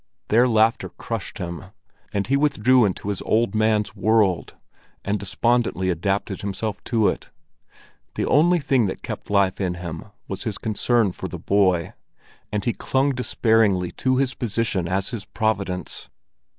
Their laughter crushed him, and he withdrew into his old man's world, and despondently adapted himself to it. The only thing that kept life in him was his concern for the boy, and he clung despairingly to his position as his providence.